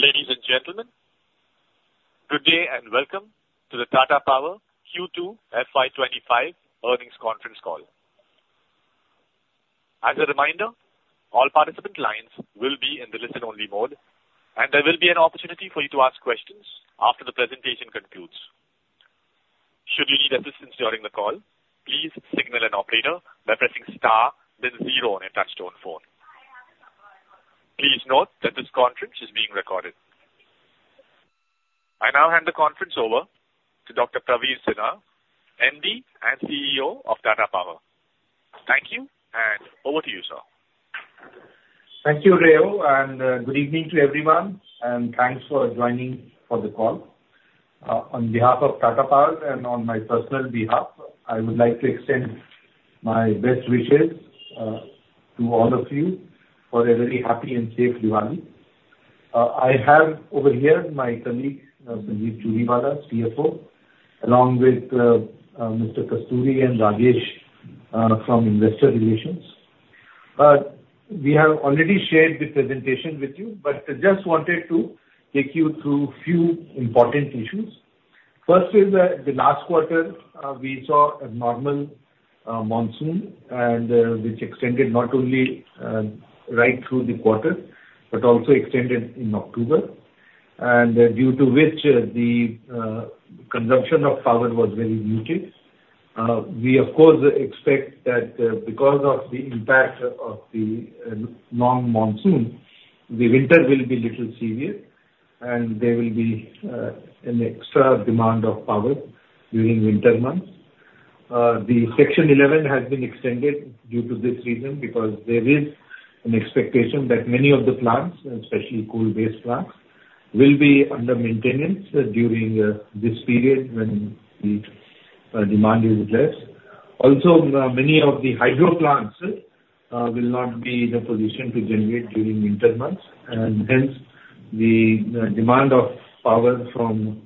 Ladies and gentlemen, good day and welcome to the Tata Power Q2 FY 2025 earnings conference call. As a reminder, all participant lines will be in the listen-only mode, and there will be an opportunity for you to ask questions after the presentation concludes. Should you need assistance during the call, please signal an operator by pressing star, then zero on a touch-tone phone. Please note that this conference is being recorded. I now hand the conference over to Dr. Praveer Sinha, MD and CEO of Tata Power. Thank you, and over to you, sir. Thank you, Rahul, and good evening to everyone, and thanks for joining for the call. On behalf of Tata Power and on my personal behalf, I would like to extend my best wishes to all of you for a very happy and safe Diwali. I have over here my colleague, Sanjeev Churiwala, CFO, along with Mr. Kasturi and Rajesh from investor relations. We have already shared the presentation with you, but I just wanted to take you through a few important issues. First is that the last quarter, we saw a normal monsoon, which extended not only right through the quarter but also extended in October, and due to which the consumption of power was very muted. We, of course, expect that because of the impact of the long monsoon, the winter will be a little severe, and there will be an extra demand of power during winter months. The Section 11 has been extended due to this reason because there is an expectation that many of the plants, especially coal-based plants, will be under maintenance during this period when the demand is less. Also, many of the hydro plants will not be in a position to generate during winter months, and hence, the demand of power from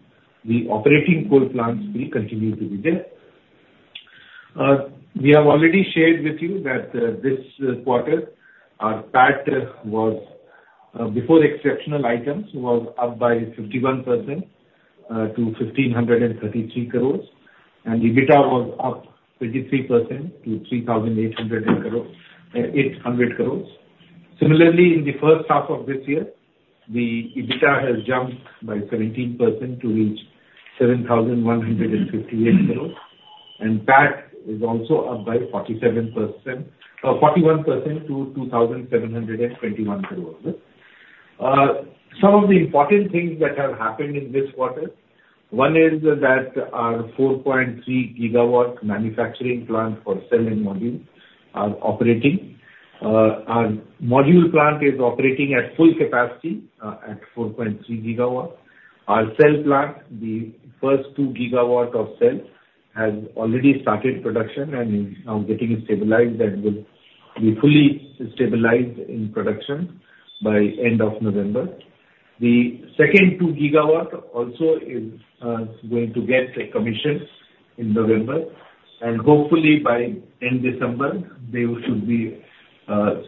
the operating coal plants will continue to be there. We have already shared with you that this quarter, our PAT before exceptional items was up by 51% to 1,533 crores, and EBITDA was up 23% to 3,800 crores. Similarly, in the first half of this year, the EBITDA has jumped by 17% to reach 7,158 crores, and PAT is also up by 41% to 2,721 crores. Some of the important things that have happened in this quarter, one is that our 4.3 GW manufacturing plant for cell and module are operating. Our module plant is operating at full capacity at 4.3 GW. Our cell plant, the first 2 GW of cell, has already started production and is now getting stabilized and will be fully stabilized in production by the end of November. The second 2 GW also is going to get commissioned in November, and hopefully, by end December, they should be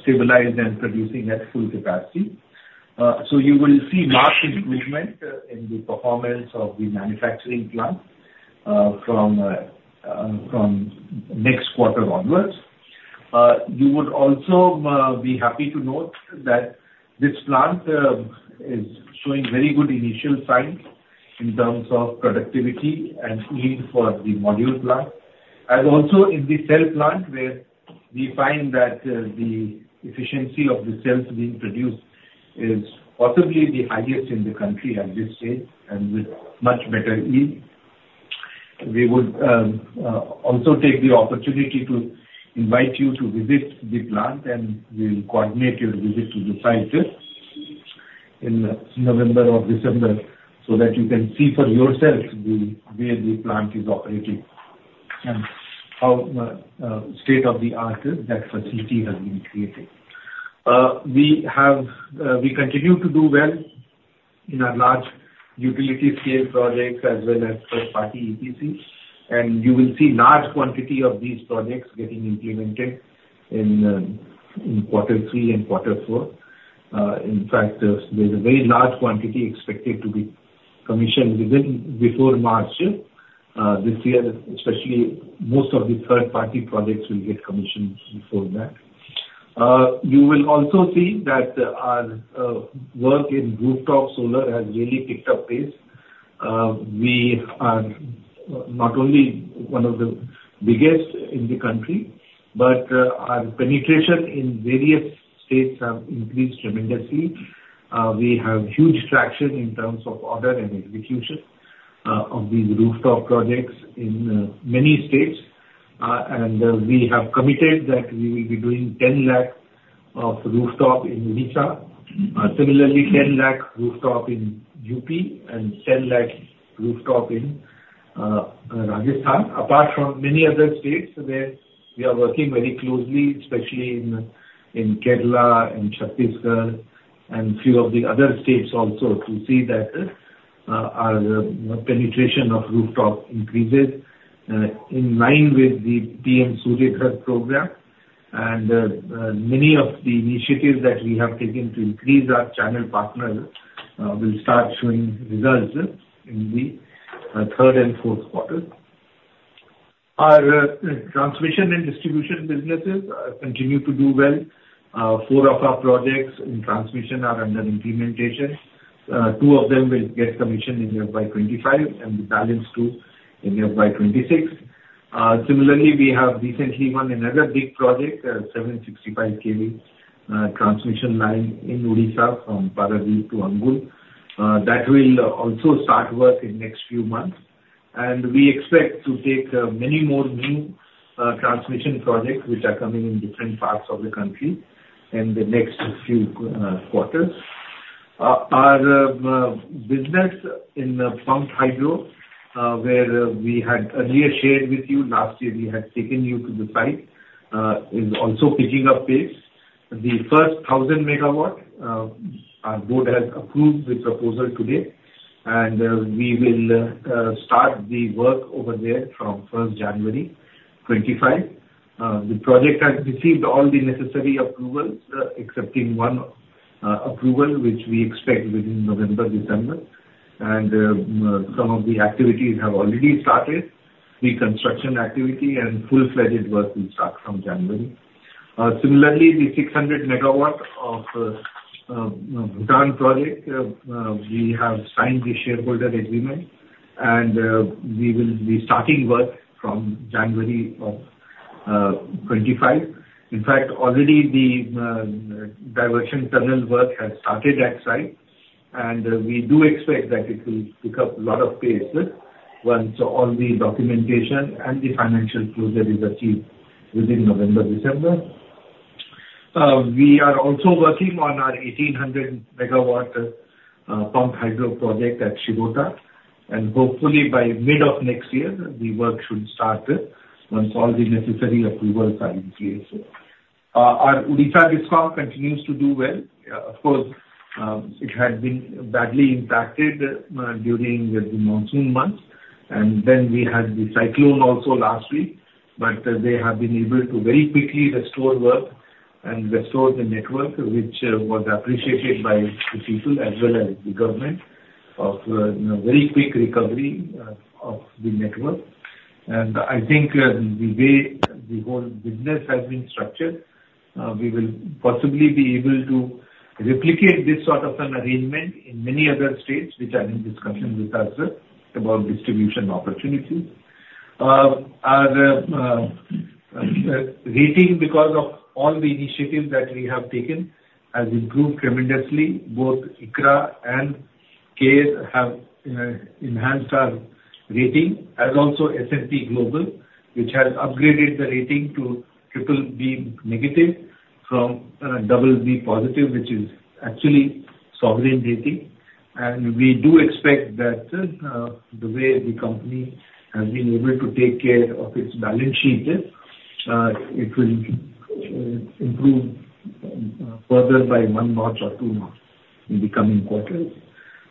stabilized and producing at full capacity. So you will see marked improvement in the performance of the manufacturing plant from next quarter onwards. You would also be happy to note that this plant is showing very good initial signs in terms of productivity and need for the module plant, as also in the cell plant where we find that the efficiency of the cells being produced is possibly the highest in the country at this stage and with much better yield. We would also take the opportunity to invite you to visit the plant, and we'll coordinate your visit to the site in November or December so that you can see for yourself where the plant is operating and how state-of-the-art that facility has been created. We continue to do well in our large utility-scale projects as well as third-party EPCs, and you will see large quantity of these projects getting implemented in quarter three and quarter four. In fact, there's a very large quantity expected to be commissioned before March this year, especially most of the third-party projects will get commissioned before that. You will also see that our work in rooftop solar has really picked up pace. We are not only one of the biggest in the country, but our penetration in various states has increased tremendously. We have huge traction in terms of order and execution of these rooftop projects in many states, and we have committed that we will be doing 10 lakh of rooftop in Uttar, similarly 10 lakh rooftop in UP, and 10 lakh rooftop in Rajasthan. Apart from many other states where we are working very closely, especially in Kerala and Chhattisgarh and a few of the other states also to see that our penetration of rooftop increases in line with the PM Surya Ghar program, and many of the initiatives that we have taken to increase our channel partners will start showing results in the third and fourth quarter. Our transmission and distribution businesses continue to do well. Four of our projects in transmission are under implementation. Two of them will get commissioned in year 2025, and the balance two in year 2026. Similarly, we have recently won another big project, a 765 kV transmission line in Odisha from Paradeep to Angul that will also start work in the next few months, and we expect to take many more new transmission projects which are coming in different parts of the country in the next few quarters. Our business in pumped hydro, where we had earlier shared with you last year we had taken you to the site, is also picking up pace. The first 1,000 MW, our board has approved the proposal today, and we will start the work over there from 1st January 2025. The project has received all the necessary approvals, excepting one approval which we expect within November, December, and some of the activities have already started. Reconstruction activity and full-fledged work will start from January. Similarly, the 600 MW of Bhutan project, we have signed the shareholder agreement, and we will be starting work from January of 2025. In fact, already the diversion tunnel work has started at site, and we do expect that it will pick up a lot of pace once all the documentation and the financial closure is achieved within November, December. We are also working on our 1,800 MW pumped hydro project at Shirota, and hopefully by mid of next year, the work should start once all the necessary approvals are in place. Our Odisha discom continues to do well. Of course, it had been badly impacted during the monsoon months, and then we had the cyclone also last week, but they have been able to very quickly restore work and restore the network, which was appreciated by the people as well as the government of very quick recovery of the network. I think the way the whole business has been structured, we will possibly be able to replicate this sort of an arrangement in many other states which are in discussion with us about distribution opportunities. Our rating, because of all the initiatives that we have taken, has improved tremendously. Both ICRA and CARE have enhanced our rating, as also S&P Global, which has upgraded the rating to triple B negative from double B+, which is actually sovereign rating. And we do expect that the way the company has been able to take care of its balance sheet, it will improve further by one notch or two notch in the coming quarters.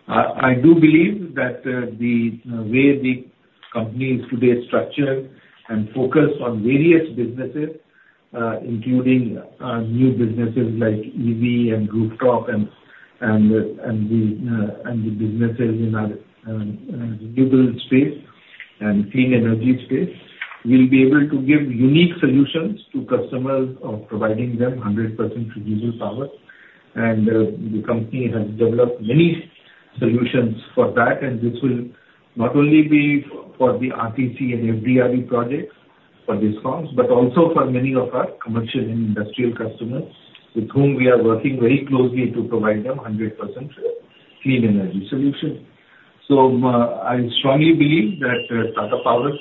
I do believe that the way the company is today structured and focused on various businesses, including new businesses like EV and rooftop and the businesses in our renewable space and clean energy space, will be able to give unique solutions to customers of providing them 100% renewable power. and the company has developed many solutions for that, and this will not only be for the RTC and FDRE projects for discoms, but also for many of our commercial and industrial customers with whom we are working very closely to provide them 100% clean energy solution. so I strongly believe that Tata Power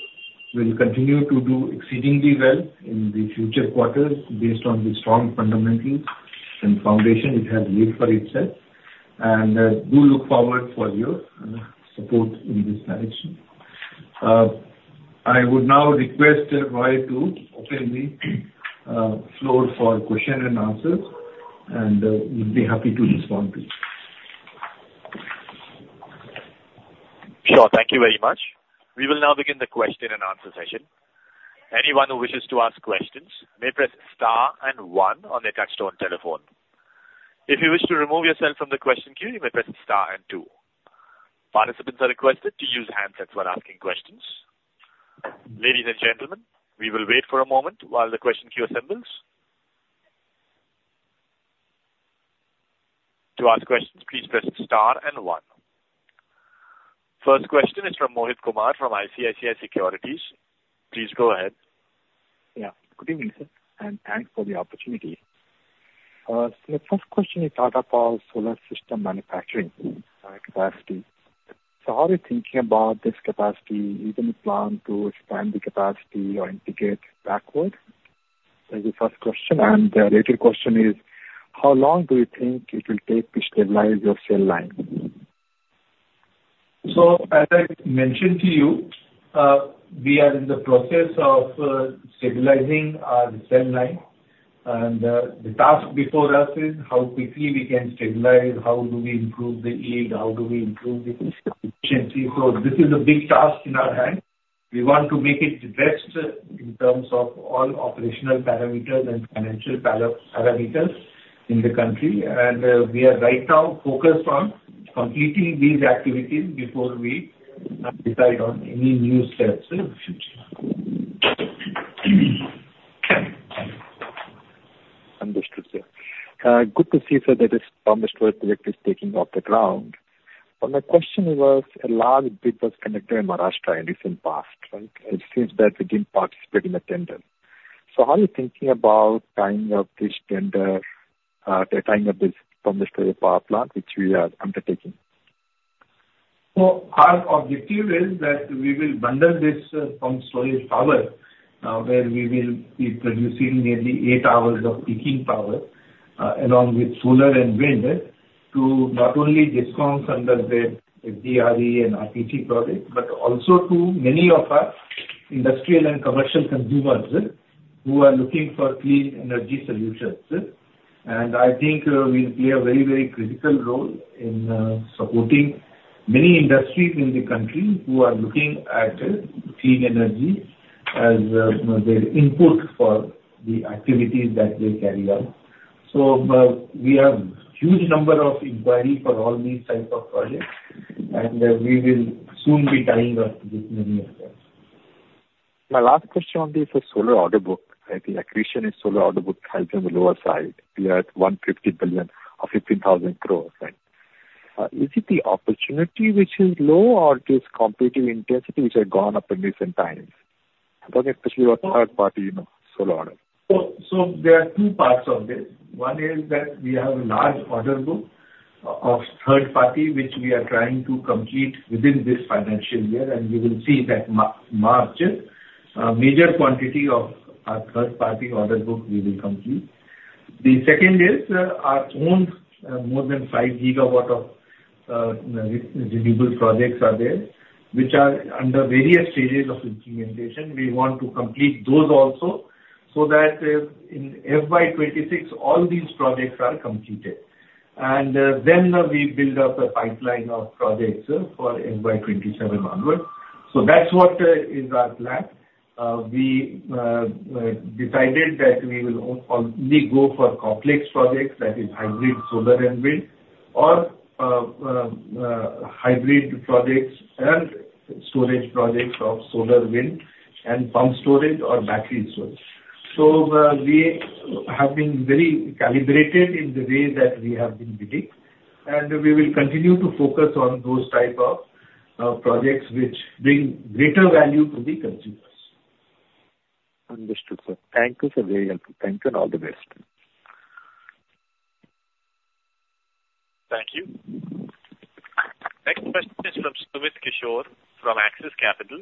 will continue to do exceedingly well in the future quarters based on the strong fundamentals and foundation it has laid for itself, and I do look forward to your support in this direction. I would now request Rahul to open the floor for questions and answers, and we'll be happy to respond to. Sure. Thank you very much. We will now begin the question and answer session. Anyone who wishes to ask questions may press star and one on the touch-tone telephone. If you wish to remove yourself from the question queue, you may press star and two. Participants are requested to use handsets when asking questions. Ladies and gentlemen, we will wait for a moment while the question queue assembles. To ask questions, please press star and one. First question is from Mohit Kumar from ICICI Securities. Please go ahead. Yeah. Good evening, sir, and thanks for the opportunity. So the first question is Tata Power Solar Systems Manufacturing capacity. So how are you thinking about this capacity? Is there any plan to expand the capacity or integrate backward? That's the first question. And the later question is, how long do you think it will take to stabilize your cell line? As I mentioned to you, we are in the process of stabilizing our cell line, and the task before us is how quickly we can stabilize, how do we improve the yield, how do we improve the efficiency. This is a big task in our hands. We want to make it the best in terms of all operational parameters and financial parameters in the country, and we are right now focused on completing these activities before we decide on any new steps. Understood, sir. Good to see, sir, that this promised work directly is taking off the ground. But my question was, a large bid was conducted in Maharashtra in recent past, right? It seems that we didn't participate in the tender. So how are you thinking about tying up this tender, tying up this promised power plant, which we are undertaking? So our objective is that we will bundle this pumped solar power where we will be producing nearly eight hours of peaking power along with solar and wind to not only discoms under the FDRE and RTC project, but also to many of our industrial and commercial consumers who are looking for clean energy solutions. And I think we'll play a very, very critical role in supporting many industries in the country who are looking at clean energy as their input for the activities that they carry out. So we have a huge number of inquiries for all these types of projects, and we will soon be tying up with many of them. My last question on this is solar order book. The accretion in solar order book is on the lower side. We are at 150 billion or 15,000 crores, right? Is it the opportunity which is low, or is it competitive intensity which has gone up in recent times? I'm talking especially about third-party solar order. There are two parts of this. One is that we have a large order book of third-party which we are trying to complete within this financial year, and you will see that March, a major quantity of our third-party order book we will complete. The second is our own more than 5 GW of renewable projects are there, which are under various stages of implementation. We want to complete those also so that in FY 2026, all these projects are completed. And then we build up a pipeline of projects for FY 2027 onward. That's what is our plan. We decided that we will only go for complex projects, that is hybrid solar and wind, or hybrid projects and storage projects of solar, wind, and pumped storage or battery storage. So we have been very calibrated in the way that we have been bidding, and we will continue to focus on those types of projects which bring greater value to the consumers. Understood, sir. Thank you, sir. Very helpful. Thank you, and all the best. Thank you. Next question is from Sumit Kishore from Axis Capital.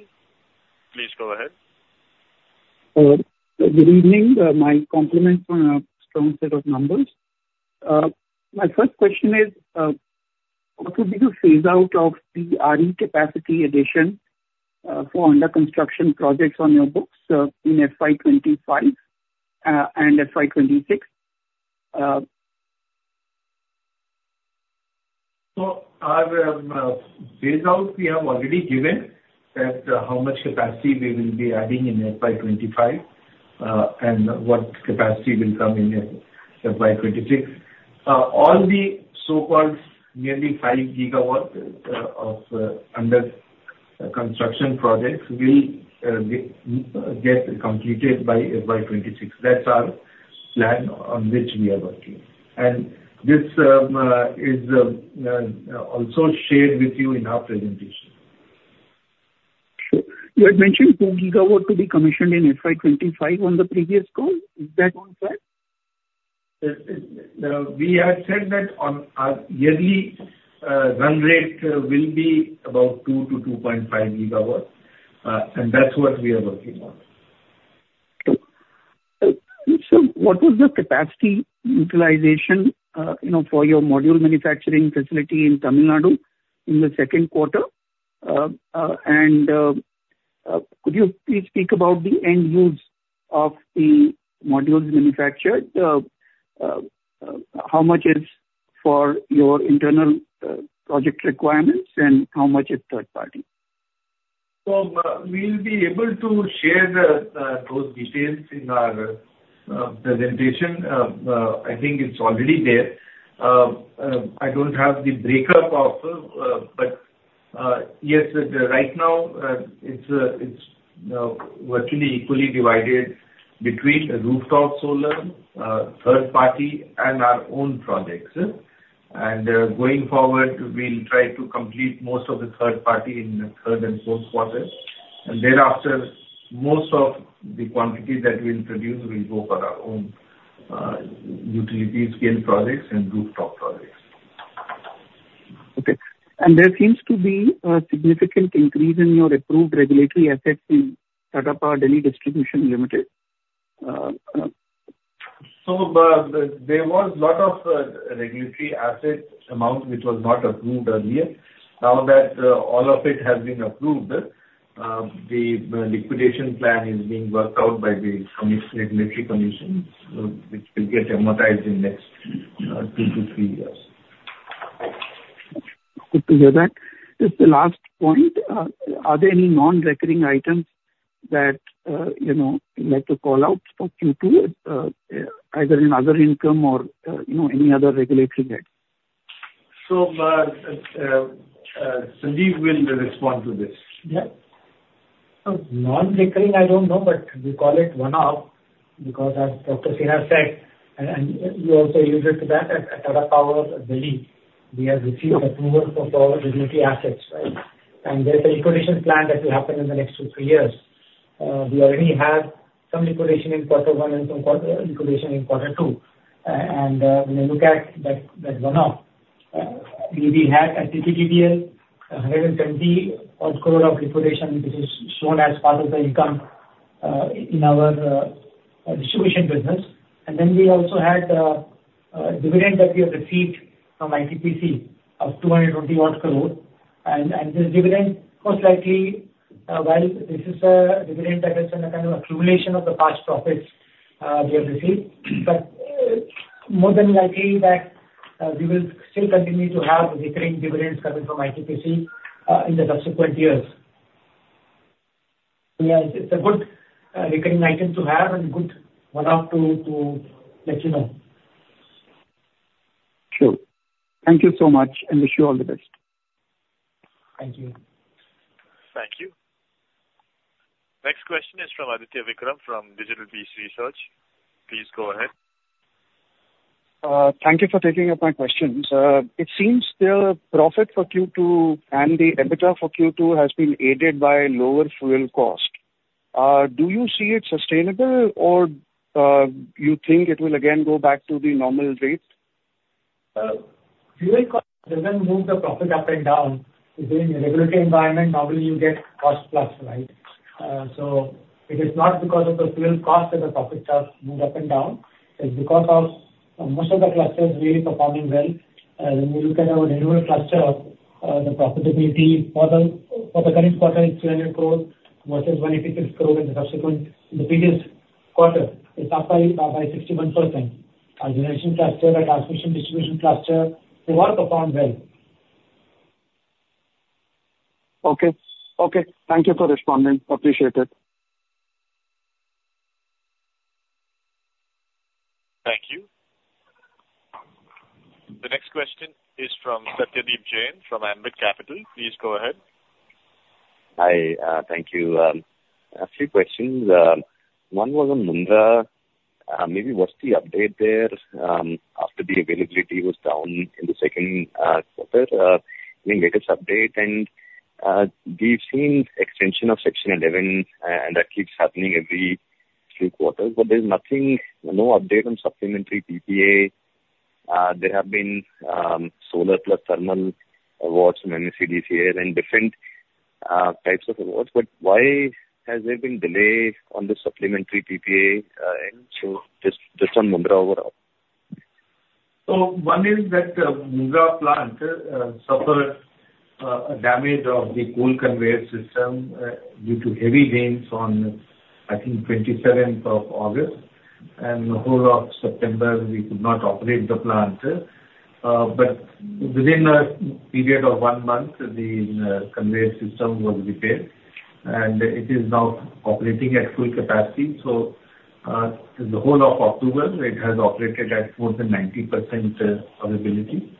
Please go ahead. Good evening. My compliments on a strong set of numbers. My first question is, what will be the phase-out of the RE capacity addition for under-construction projects on your books in FY 2025 and FY 2026? So our phase-out, we have already given that how much capacity we will be adding in FY 2025 and what capacity will come in FY 2026. All the so-called nearly 5 GW of under-construction projects will get completed by FY 2026. That's our plan on which we are working. And this is also shared with you in our presentation. Sure. You had mentioned 2 GW to be commissioned in FY 2025 on the previous call. Is that on track? We had said that our yearly run rate will be about 2 GW to 2.5 GW, and that's what we are working on. So what was the capacity utilization for your module manufacturing facility in Tamil Nadu in the second quarter? And could you please speak about the end use of the modules manufactured? How much is for your internal project requirements, and how much is third-party? So we'll be able to share those details in our presentation. I think it's already there. I don't have the breakup of, but yes, right now it's virtually equally divided between the rooftop solar, third-party, and our own projects. And going forward, we'll try to complete most of the third-party in the third and fourth quarter. And thereafter, most of the quantity that we'll produce will go for our own utility-scale projects and rooftop projects. Okay, and there seems to be a significant increase in your approved regulatory assets in Tata Power Delhi Distribution Limited. So there was a lot of regulatory assets amount which was not approved earlier. Now that all of it has been approved, the liquidation plan is being worked out by the Regulatory Commission, which will get amortized in the next two to three years. Good to hear that. Just the last point. Are there any non-recurring items that you'd like to call out for Q2, either in other income or any other regulatory heads? So Sanjeev will respond to this. Yeah. Non-recurring, I don't know, but we call it one-off because, as Dr. Sinha said, and you also alluded to that, at Tata Power Delhi, we have received approval for all regulatory assets, right? And there's a liquidation plan that will happen in the next two to three years. We already have some liquidation in quarter one and some liquidation in quarter two. And when I look at that one-off, we had at TPDDL 120-odd crore of liquidation, which is shown as part of the income in our distribution business. And then we also had a dividend that we have received from ITPC of 220-odd crore. And this dividend, most likely, well, this is a dividend that is a kind of accumulation of the past profits we have received. But more than likely, we will still continue to have recurring dividends coming from ITPC in the subsequent years. So yes, it's a good recurring item to have and a good one-off to let you know. Sure. Thank you so much, and wish you all the best. Thank you. Thank you. Next question is from Aditya Vikram from Equirus Securities. Please go ahead. Thank you for taking up my question. It seems the profit for Q2 and the EBITDA for Q2 has been aided by lower fuel cost. Do you see it sustainable, or do you think it will again go back to the normal rate? Fuel cost doesn't move the profit up and down. In a regulatory environment, normally you get cost plus, right? So it is not because of the fuel cost that the profits have moved up and down. It's because of most of the clusters really performing well. When we look at our renewable cluster, the profitability for the current quarter is 200 crore versus 186 crore in the previous quarter. It's up by 61%. Our generation cluster, the transmission distribution cluster, they all performed well. Okay. Okay. Thank you for responding. Appreciate it. Thank you. The next question is from Satyadeep Jain from Ambit Capital. Please go ahead. Hi. Thank you. A few questions. One was on Mundra. Maybe what's the update there after the availability was down in the second quarter? Any latest update? And we've seen extension of Section 11, and that keeps happening every few quarters. But there's no update on supplementary PPA. There have been solar plus thermal awards from MSEDCL and different types of awards. But why has there been a delay on the supplementary PPA? And just on Mundra overall. One is that the Mundra plant suffered damage to the coal conveyor system due to heavy rains on, I think, the 27th of August. The whole of September, we could not operate the plant. But within a period of one month, the conveyor system was repaired, and it is now operating at full capacity. The whole of October, it has operated at more than 90% availability.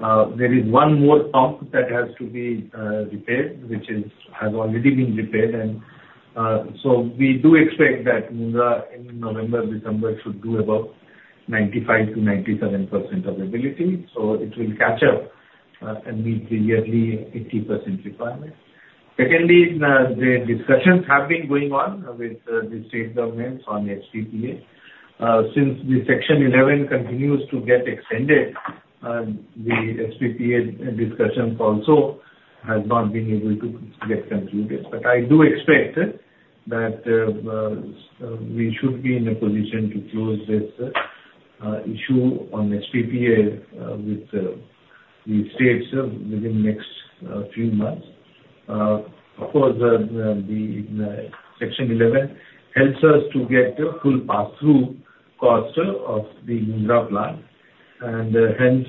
There is one more pump that has to be repaired, which has already been repaired. And so we do expect that Mundra in November, December should do about 95% to 97% availability. It will catch up and meet the yearly 80% requirement. Secondly, the discussions have been going on with the state governments on SPPA. Since the Section 11 continues to get extended, the SPPA discussions also have not been able to get concluded. But I do expect that we should be in a position to close this issue on PPA with the states within the next few months. Of course, the Section 11 helps us to get full pass-through cost of the Mundra plant. And hence,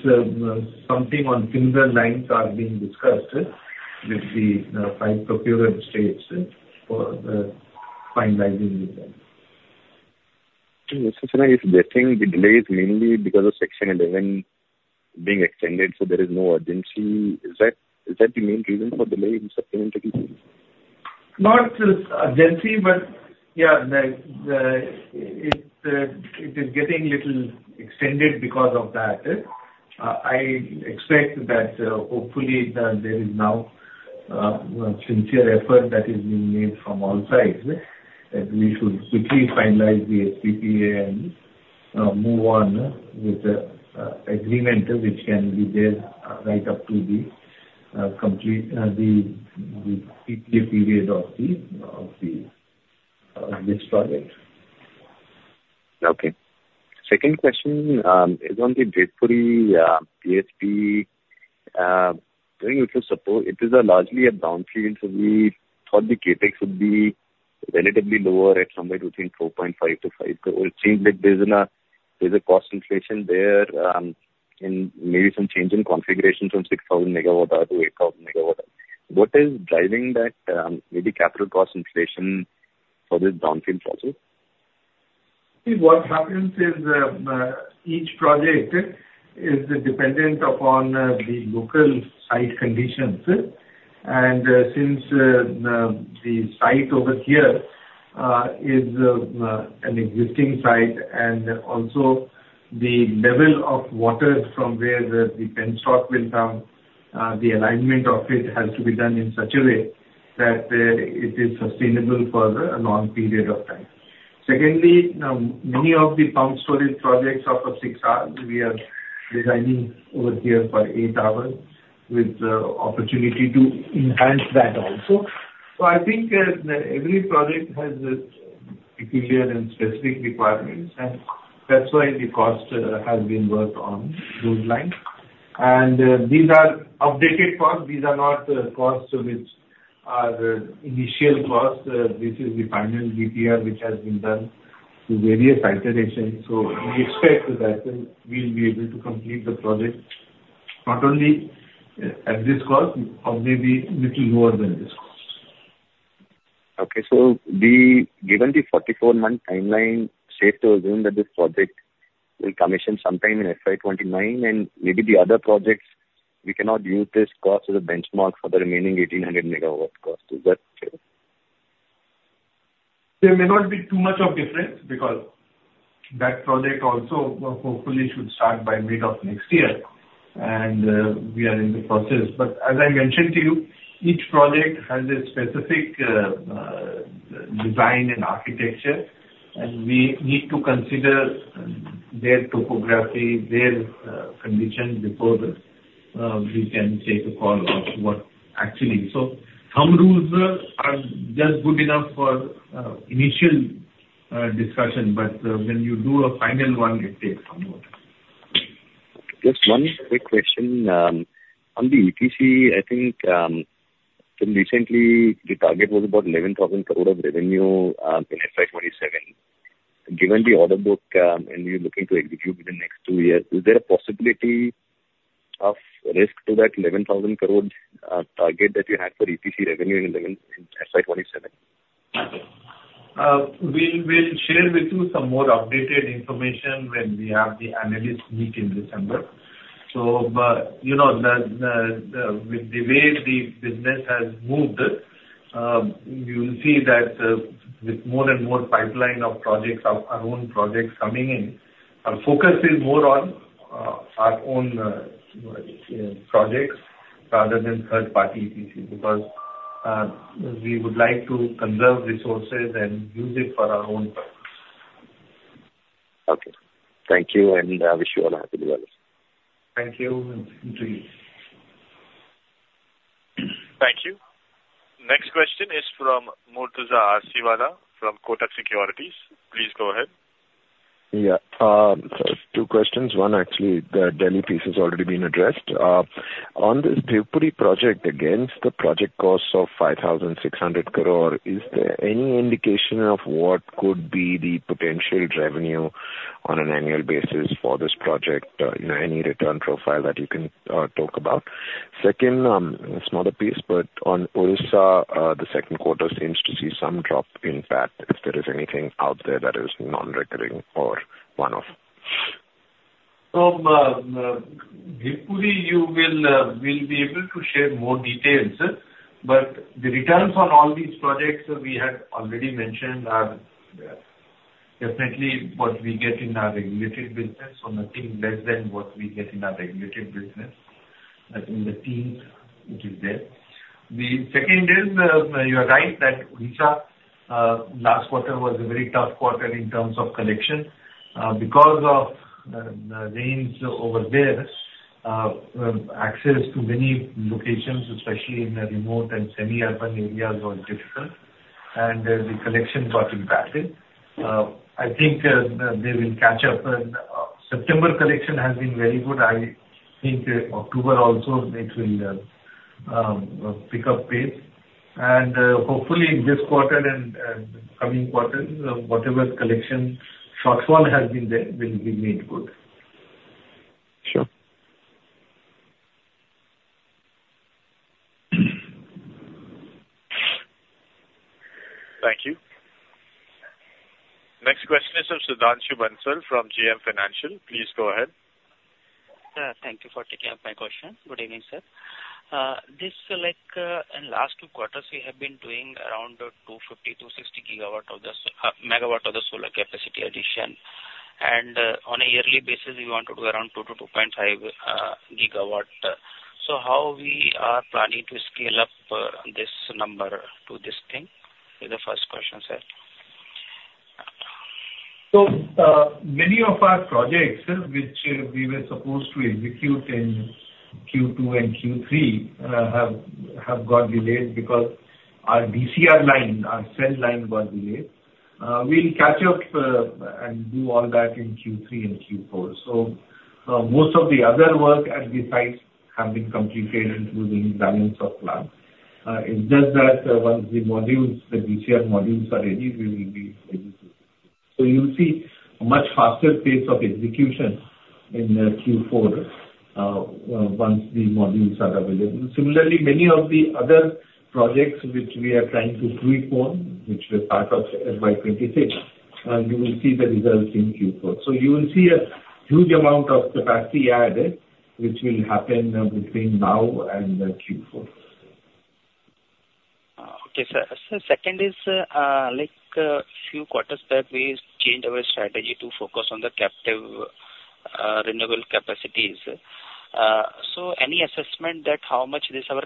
something on similar lines is being discussed with the five procurement states for the finalizing reasons. So Satyadeep, you're saying the delay is mainly because of Section 11 being extended, so there is no urgency. Is that the main reason for delay in supplementary PPA? Not urgency, but yeah, it is getting a little extended because of that. I expect that hopefully there is now a sincere effort that is being made from all sides that we should quickly finalize the supplementary PPA and move on with the agreement which can be there right up to the PPA period of this project. Okay. Second question is on the Bhivpuri PSP. It is largely a brownfield, so we thought the CapEx would be relatively lower at somewhere between 4.5 crore and 5 crore. It seems like there's a cost inflation there and maybe some change in configuration from 6,000 MWh to 8,000 MWh. What is driving that, maybe capital cost inflation for this brownfield project? What happens is each project is dependent upon the local site conditions. And since the site over here is an existing site, and also the level of water from where the penstock will come, the alignment of it has to be done in such a way that it is sustainable for a long period of time. Secondly, many of the pumped storage projects of six hours, we are designing over here for eight hours with the opportunity to enhance that also. So I think every project has peculiar and specific requirements, and that's why the cost has been worked on those lines. And these are updated costs. These are not costs which are initial costs. This is the final DPR which has been done through various iterations. So we expect that we'll be able to complete the project not only at this cost or maybe a little lower than this cost. Okay, so given the 44-month timeline, safe to assume that this project will commission sometime in FY 2029, and maybe the other projects, we cannot use this cost as a benchmark for the remaining 1,800 MW cost. Is that true? There may not be too much of a difference because that project also hopefully should start by mid of next year, and we are in the process. But as I mentioned to you, each project has a specific design and architecture, and we need to consider their topography, their conditions before we can take a call of what actually. So some rules are just good enough for initial discussion, but when you do a final one, it takes some work. Just one quick question. On the EPC, I think recently the target was about 11,000 crore of revenue in FY 2027. Given the order book and you're looking to execute within the next two years, is there a possibility of risk to that 11,000 crore target that you had for EPC revenue in FY 2027? We'll share with you some more updated information when we have the analyst meet in December. So with the way the business has moved, you'll see that with more and more pipeline of projects, our own projects coming in, our focus is more on our own projects rather than third-party EPC because we would like to conserve resources and use it for our own purpose. Okay. Thank you, and I wish you all a happy New Year's. Thank you. And to you. Thank you. Next question is from Murtuza Arsiwalla from Kotak Securities. Please go ahead. Yeah. So two questions. One, actually, the Delhi piece has already been addressed. On this Bhivpuri project, again, the project costs of 5,600 crore. Is there any indication of what could be the potential revenue on an annual basis for this project? Any return profile that you can talk about? Second, a smaller piece, but on Odisha, the second quarter seems to see some drop in PAT if there is anything out there that is non-recurring or one-off. So Bhivpuri, you will be able to share more details, but the returns on all these projects we had already mentioned are definitely what we get in our regulated business, so nothing less than what we get in our regulated business. I think the team, it is there. The second is you're right that Odisha last quarter was a very tough quarter in terms of collection because of the rains over there. Access to many locations, especially in the remote and semi-urban areas, was difficult, and the collection got impacted. I think they will catch up. September collection has been very good. I think October also it will pick up pace. And hopefully this quarter and coming quarter, whatever collection shortfall has been there, will be made good. Sure. Thank you. Next question is from Sudhanshu Bansal from JM Financial. Please go ahead. Thank you for taking up my question. Good evening, sir. This and last two quarters, we have been doing around 250 MW to 260 MW of the solar capacity addition. And on a yearly basis, we want to do around 2 to 2.5 GW. So how we are planning to scale up this number to this thing is the first question, sir. So many of our projects which we were supposed to execute in Q2 and Q3 have got delayed because our DCR line, our cell line got delayed. We'll catch up and do all that in Q3 and Q4. So most of the other work at the sites have been completed, including balance of plant. It's just that once the DCR modules are ready, we will be able to. So you'll see a much faster pace of execution in Q4 once the modules are available. Similarly, many of the other projects which we are trying to create for, which were part of FY 2026, you will see the results in Q4. So you will see a huge amount of capacity added, which will happen between now and Q4. Okay. So second is a few quarters back, we changed our strategy to focus on the captive renewable capacities. So any assessment that how much this our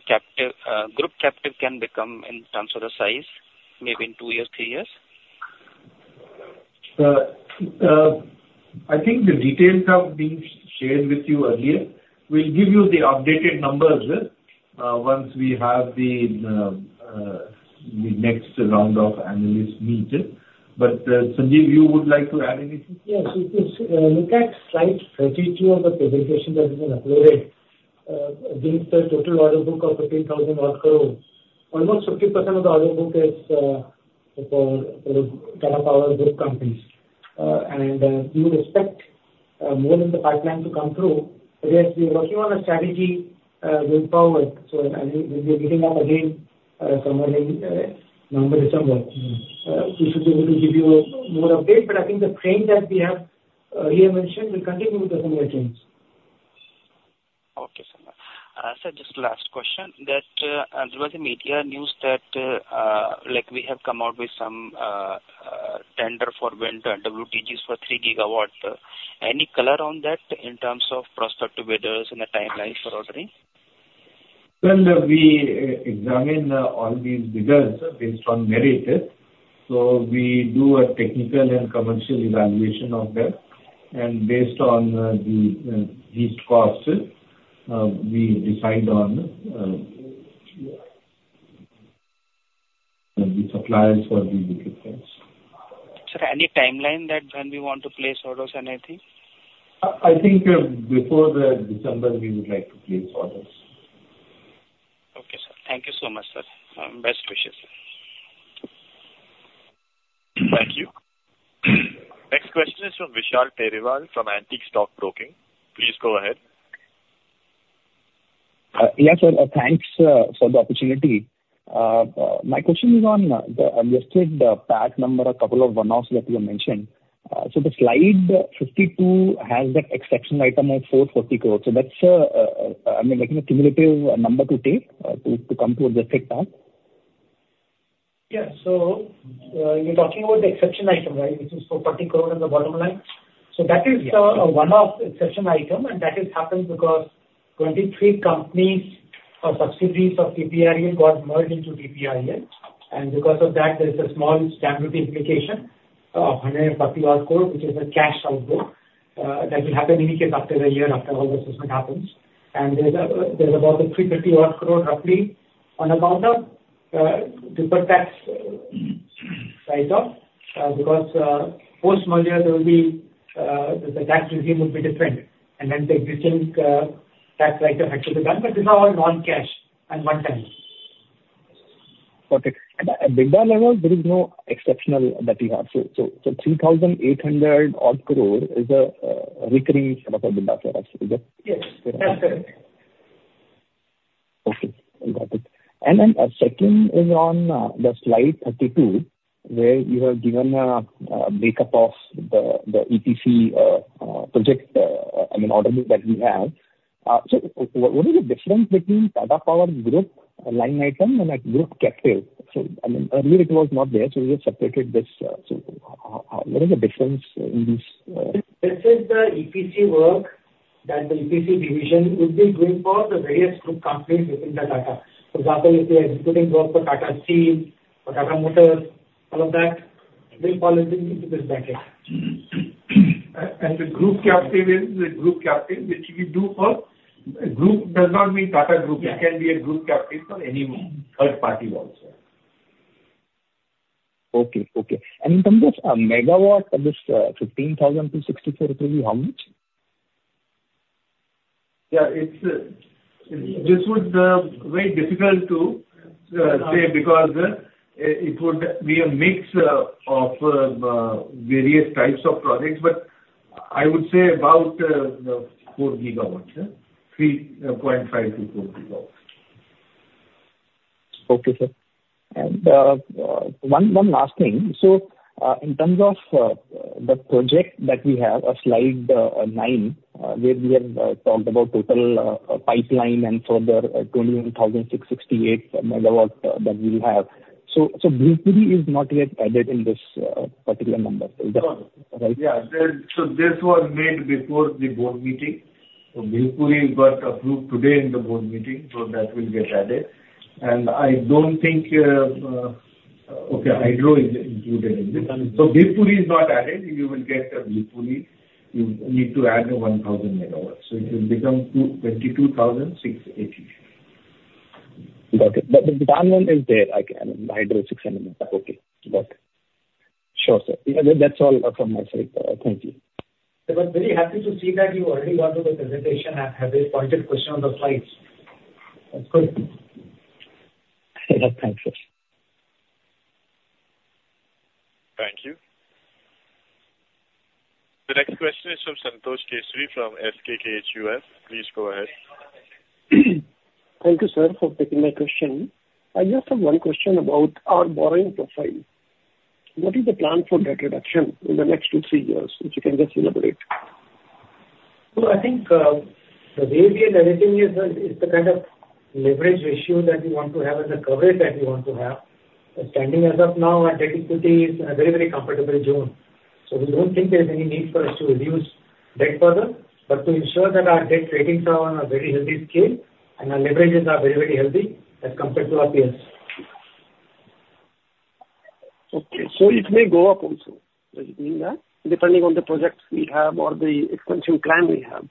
group captive can become in terms of the size, maybe in two years, three years? I think the details have been shared with you earlier. We'll give you the updated numbers once we have the next round of analyst meeting. But Sanjeev, you would like to add anything? Yes. Look at slide 32 of the presentation that has been uploaded. Against the total order book of 15,000 crore, almost 50% of the order book is for Tata Power Group companies, and you would expect more in the pipeline to come through. But yes, we are working on a strategy going forward, so we'll be meeting up again somewhere in November, December. We should be able to give you more updates, but I think the trend that we have earlier mentioned will continue with the similar trends. Okay. Sir, just last question. There was a media news that we have come out with some tender for wind, WTGs for 3 GW. Any color on that in terms of prospective bidders and the timelines for ordering? We examine all these bidders based on merit. We do a technical and commercial evaluation of them. Based on these costs, we decide on the suppliers for this equipment. Sir, any timeline that when we want to place orders and anything? I think before December, we would like to place orders. Okay, sir. Thank you so much, sir. Best wishes. Thank you. Next question is from Vishal Periwal from Antique Stock Broking. Please go ahead. Yes, sir. Thanks for the opportunity. My question is on the adjusted PAT number, a couple of one-offs that you mentioned. So the slide 52 has that exceptional item of 440 crore. So that's, I mean, like a cumulative number to take to come to adjusted PAT? Yes. So you're talking about the exceptional item, right, which is INR 440 crore on the bottom line? So that is a one-off exceptional item, and that has happened because 23 companies or subsidiaries of TPREL got merged into TPREL. And because of that, there's a small stamp duty implication of 140 crore, which is a cash outflow that will happen in any case after a year after all the assessment happens. And there's about a 350 crore roughly on account of to write that off because post-merger, the tax regime will be different. And then the existing tax write-off of excess will be done. But these are all non-cash and one-time. Got it. And at EBITDA level, there is no exceptional that you have. So 3,800 crore is a recurring set of a EBITDA for us, is it? Yes. That's correct. Okay. Got it. And then second is on the slide 32, where you have given a breakup of the EPC project, I mean, order book that we have. So what is the difference between Tata Power Group line item and a group captive? So I mean, earlier it was not there, so we have separated this. So what is the difference in these? This is the EPC work that the EPC division would be doing for the various group companies within the Tata. For example, if we are executing work for Tata Steel or Tata Motors, all of that will fall into this bucket, and the group captive is the group captive which we do for group does not mean Tata Group. It can be a group captive for any third party also. Okay. And in terms of megawatt, this 15,000 to 643, how much? Yeah. This would be very difficult to say because it would be a mix of various types of projects. But I would say about 4 GW, 3.5 GW to 4 GW. Okay, sir. One last thing. In terms of the project that we have, Slide 9, where we have talked about total pipeline and further 21,668 MW that we have. EBITDA is not yet added in this particular number. Is that right? Yeah. So this was made before the board meeting. So BESS got approved today in the board meeting, so that will get added. And I don't think, okay, hydro is included in this. So BESS is not added. You will get BESS. You need to add 1,000 MW. So it will become 22,680. Got it. But the one is there again, hydro 600. Okay. Got it. Sure, sir. That's all from my side. Thank you. I was very happy to see that you already got to the presentation and have a pointed question on the slides. That's good. Thank you. Thank you. The next question is from Santosh Kesari from SBI Capital Markets. Please go ahead. Thank you, sir, for taking my question. I just have one question about our borrowing profile. What is the plan for debt reduction in the next two, three years, if you can just elaborate? So I think the way we are leveraging is the kind of leverage ratio that we want to have and the coverage that we want to have. Standing as of now, our debt equity is in a very, very comfortable zone. So we don't think there's any need for us to reduce debt further, but to ensure that our debt ratings are on a very healthy scale and our leverages are very, very healthy as compared to our peers. Okay. So it may go up also. Does it mean that? Depending on the projects we have or the expansion plan we have.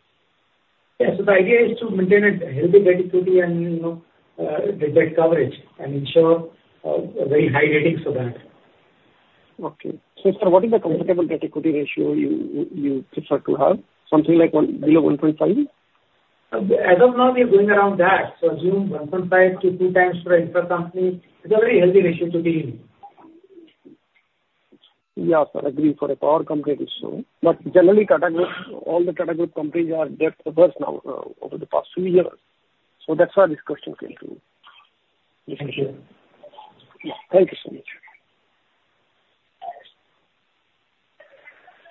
Yes. So the idea is to maintain a healthy debt equity and debt coverage and ensure a very high rating for that. Okay. So, sir, what is the comparable debt equity ratio you prefer to have? Something like below 1.5? As of now, we are going around that. So assume 1.5 to two times for an infra company. It's a very healthy ratio to be in. Yeah, sir. Agreed for a power company to show. But generally, all the Tata Group companies are debt averse now over the past few years. So that's why this question came to. Thank you. Yeah. Thank you so much.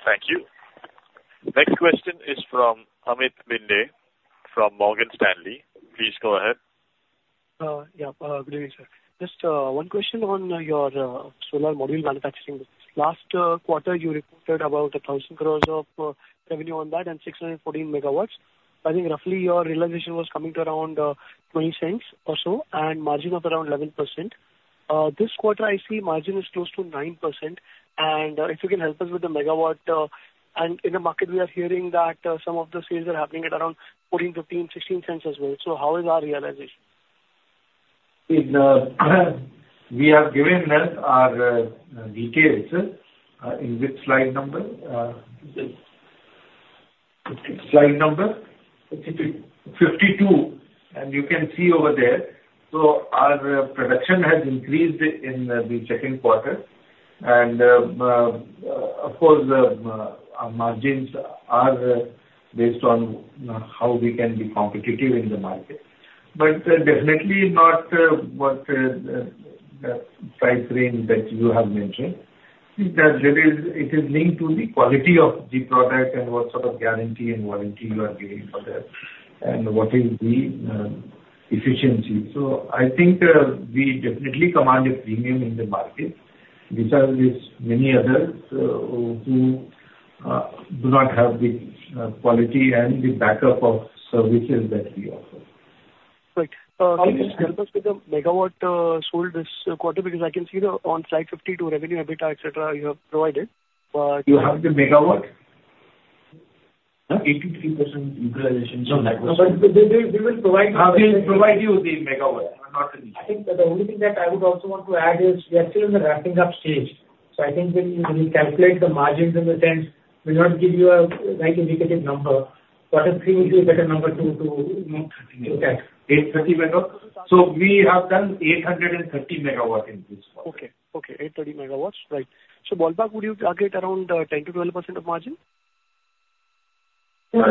Thank you. The next question is from Amit Bhinde from Morgan Stanley. Please go ahead. Yeah. Good evening, sir. Just one question on your solar module manufacturing. Last quarter, you reported about 1,000 crores of revenue on that and 614 MW. I think roughly your realization was coming to around $0.20 or so and margin of around 11%. This quarter, I see margin is close to 9%. And if you can help us with the megawatt and in the market, we are hearing that some of the sales are happening at around $0.14 to $0.16 as well. So how is our realization? We have given our details in which slide number? Yes. Slide number? 52. You can see over there. Our production has increased in the second quarter. Of course, our margins are based on how we can be competitive in the market. Definitely not what the price range that you have mentioned. It is linked to the quality of the product and what sort of guarantee and warranty you are giving for that and what is the efficiency. I think we definitely command a premium in the market. Besides this, many others who do not have the quality and the backup of services that we offer. Great. Can you help us with the megawatt sold this quarter? Because I can see on slide 52, revenue, EBITDA, etc., you have provided. You have the megawatt? 83% utilization in that question. No, but we will provide you the megawatt. Not really. I think the only thing that I would also want to add is we are still in the wrapping-up stage. So I think we will calculate the margins in the sense we'll not give you a very indicative number. What is the better number to look at? 830 MW. So we have done 830 MW in this quarter. Okay. Okay. 830 MW. Right. So ballpark, would you target around 10%-12% of margin? That's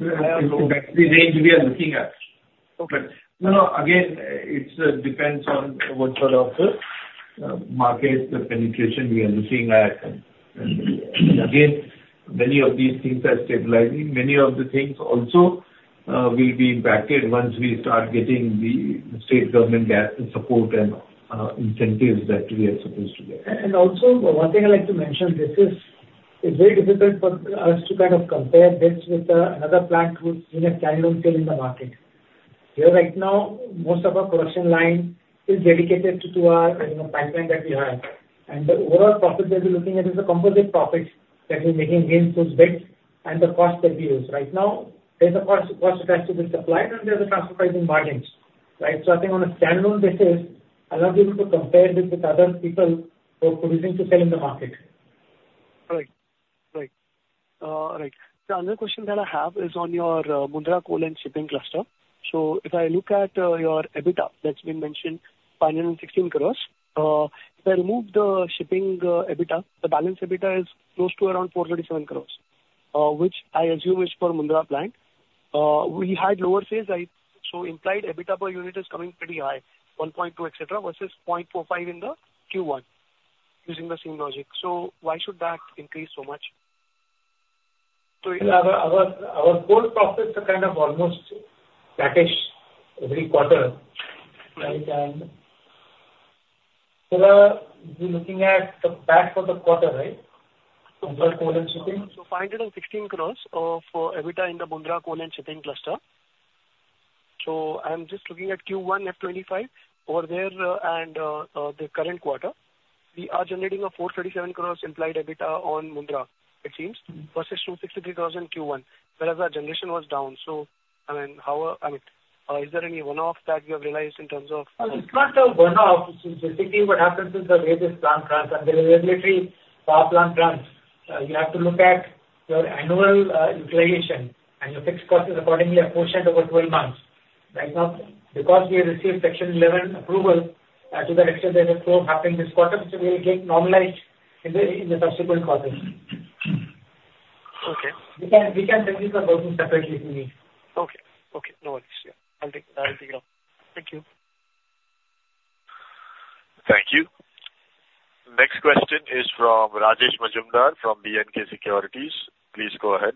the range we are looking at. But again, it depends on what sort of market penetration we are looking at. And again, many of these things are stabilizing. Many of the things also will be impacted once we start getting the state government support and incentives that we are supposed to get. Also, one thing I'd like to mention, this is very difficult for us to kind of compare this with another plant who's seen a standalone sale in the market. Here right now, most of our production line is dedicated to our pipeline that we have. The overall profit that we're looking at is a composite profit that we're making against those bids and the cost that we use. Right now, there's a cost attached to the supplier, and there's a transfer pricing margin, right? I think on a standalone basis, I'm not able to compare this with other people who are producing to sell in the market. Right. Right. Right. The other question that I have is on your Mundra Coal and Shipping cluster. So if I look at your EBITDA, that's been mentioned, 516 crores. If I remove the shipping EBITDA, the balance EBITDA is close to around 437 crores, which I assume is for Mundra plant. We had lower sales, right? So implied EBITDA per unit is coming pretty high, 1.2, etc., versus 0.45 in the Q1 using the same logic. So why should that increase so much? Our whole process is kind of almost packaged every quarter. Right. And if you're looking at the PAT for the quarter, right, Mundra Coal and Shipping? 516 crores of EBITDA in the Mundra Coal and Shipping cluster. I'm just looking at Q1, F25 over there and the current quarter. We are generating a 437 crores implied EBITDA on Mundra, it seems, versus 263 crores in Q1, whereas our generation was down. I mean, is there any one-off that you have realized in terms of? It's not a one-off. Specifically, what happens is the way this plan runs. Under the regulatory power plant run, you have to look at your annual utilization and your fixed costs accordingly at a quotient over 12 months. Right now, because we received Section 11 approval to that extent, there's a slowdown happening this quarter, which will get normalized in the subsequent quarters. Okay. We can review the both separately if you need. Okay. Okay. No worries. Yeah. I'll take it off. Thank you. Thank you. Next question is from Rajesh Majumdar from B&K Securities. Please go ahead.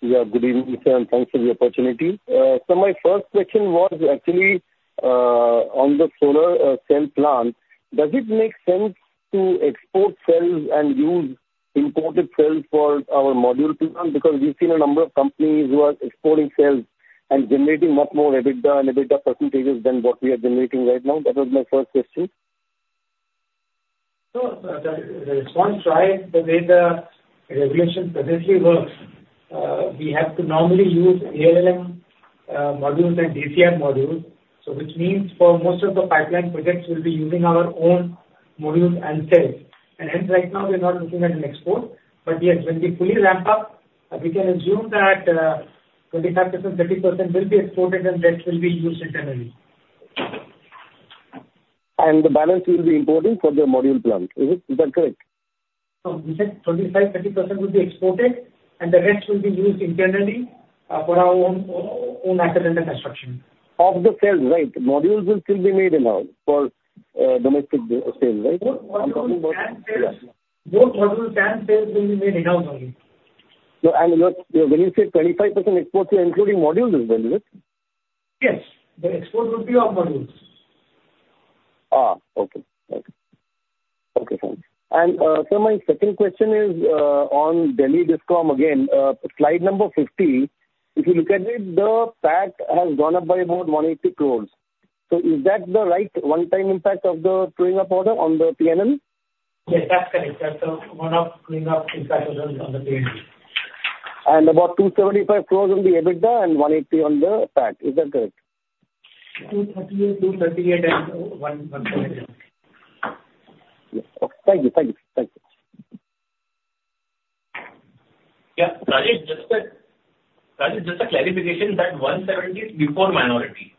Yeah. Good evening, sir, and thanks for the opportunity, so my first question was actually on the solar cell plant. Does it make sense to export cells and use imported cells for our module plant? Because we've seen a number of companies who are exporting cells and generating much more EBITDA and EBITDA percentages than what we are generating right now. That was my first question. Sure. That's one try. The way the regulation presently works, we have to normally use ALMM modules and DCR modules, which means for most of the pipeline projects, we'll be using our own modules and cells, and hence, right now, we're not looking at an export. But yes, when we fully ramp up, we can assume that 25%, 30% will be exported, and that will be used internally. And the balance will be imported for the module plant. Is that correct? No, you said 25%, 30% will be exported, and the rest will be used internally for our own asset under construction. Of the cells, right? Modules will still be made enough for domestic sales, right? Both modules and cells will be made enough only. When you say 25% export, you're including modules as well, is it? Yes. The export would be of modules. Okay, thank you. Sir, my second question is on Delhi Discom again. Slide number 50, if you look at it, the PAT has gone up by about 180 crores. So is that the right one-time impact of the true-up order on the P&L? Yes, that's correct. That's the one-off truing up impact on the P&L. About 275 crores on the EBITDA and 180 crores on the PAT. Is that correct? 238, 238, and 178. Okay. Thank you. Thank you. Thank you. Yeah. Rajesh, just a clarification that 178 is before minority.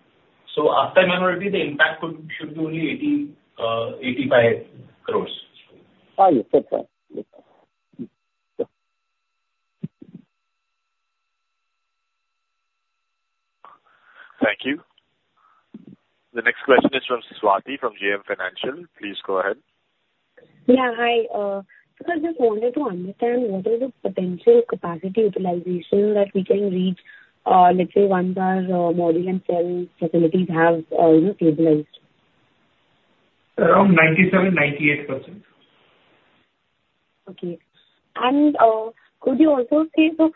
So after minority, the impact should be only 85 crores. Yes. That's right. Thank you. The next question is from Swati from JM Financial. Please go ahead. Yeah. Hi. I just wanted to understand what is the potential capacity utilization that we can reach, let's say, once our module and cell facilities have stabilized? Around 97% to 98%. Okay. And could you also say, so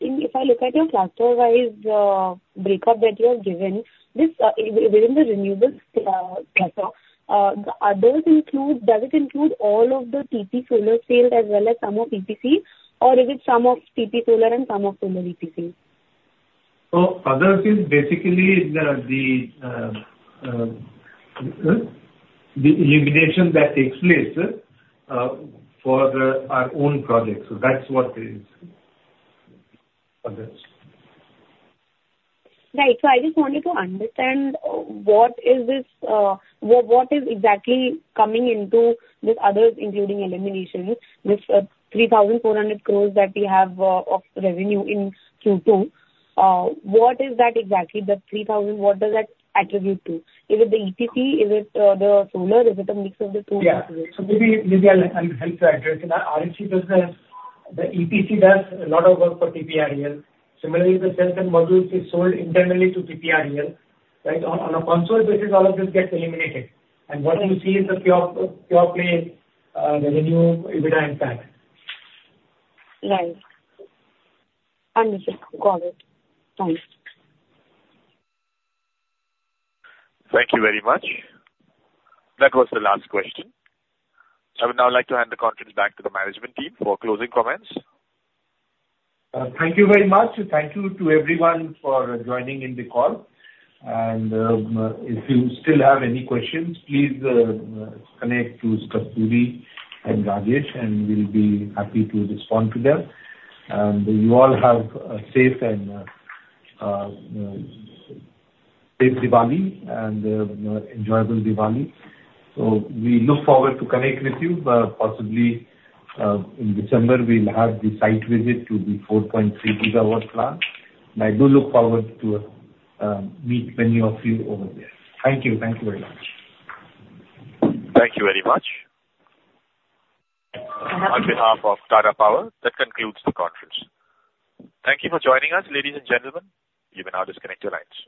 if I look at your cluster-wise breakup that you have given, within the renewables cluster, does it include all of the TP solar sales as well as some of EPC, or is it some of TP solar and some of solar EPC? Oh, other things, basically, the elimination that takes place for our own projects. So that's what it is. Right. So I just wanted to understand what is exactly coming into this others, including elimination, this 3,400 crores that we have of revenue in Q2. What is that exactly? The 3,000, what does that attribute to? Is it the EPC? Is it the solar? Is it a mix of the two? Yeah. So maybe Lidia can help to address. In our R&D business, the EPC does a lot of work for TPREL. Similarly, the cells and modules are sold internally to TPREL. On a consolidated basis, all of this gets eliminated. And what you see is the pure play, revenue, EBITDA, and PAT. Right. Understood. Got it. Thanks. Thank you very much. That was the last question. I would now like to hand the conference back to the management team for closing comments. Thank you very much. Thank you to everyone for joining in the call. And if you still have any questions, please connect to Swati and Rajesh, and we'll be happy to respond to them. And you all have a safe and safe Diwali and enjoyable Diwali. So we look forward to connecting with you. Possibly in December, we'll have the site visit to the 4.3 GW plant. And I do look forward to meeting many of you over there. Thank you. Thank you very much. Thank you very much. On behalf of Tata Power, that concludes the conference. Thank you for joining us, ladies and gentlemen. You may now disconnect your lines.